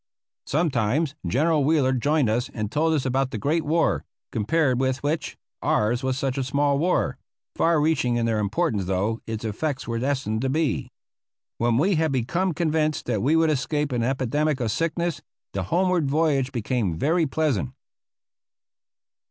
Sometimes General Wheeler joined us and told us about the great war, compared with which ours was such a small war far reaching in their importance though its effects were destined to be. When we had become convinced that we would escape an epidemic of sickness the homeward voyage became very pleasant.